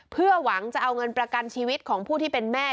เพื่อหวังจะเอาเงินประกันชีวิตของผู้ที่เป็นแม่